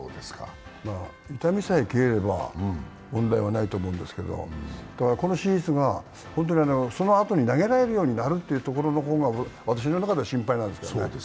痛みさえ消えれば問題はないと思うんですけれどもこの手術が本当にそのあとに投げられるようになるという方が私の中では心配なんですよね。